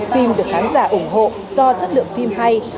phim được khán giả ủng hộ do chất lượng phim hay